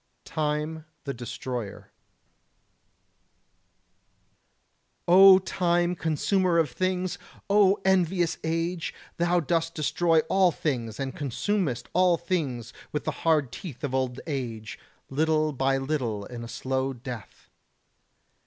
[Sidenote: Time the Destroyer] 101. O time, consumer of things! O envious age! Thou dost destroy all things, and consumest all things with the hard teeth of old age, little by little in a slow death.